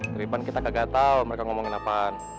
daripada kita enggak tahu mereka ngomongin apaan